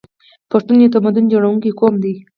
پښتون یو تمدن جوړونکی قوم دی.